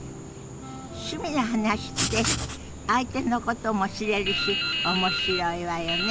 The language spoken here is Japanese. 趣味の話って相手のことも知れるし面白いわよね。